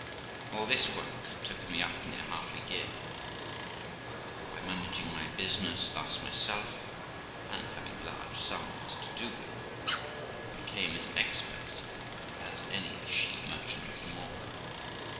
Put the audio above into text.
All this work took me up near half a year, and by managing my business thus myself, and having large sums to do with, I became as expert in it as any she merchant of them all.